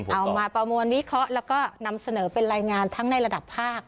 เอามาประมวลวิเคราะห์แล้วก็นำเสนอเป็นรายงานทั้งในระดับภาค